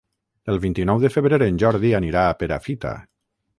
El vint-i-nou de febrer en Jordi anirà a Perafita.